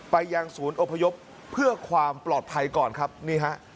ไปยังศูนย์อพยพเพื่อความปลอดภัยก่อนครับนี่ฮะ